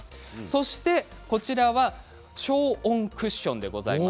そして、こちらは消音クッションです。